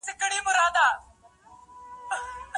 خواجه معین الدین چشتي ولې په اجمیر کي مېشت سو؟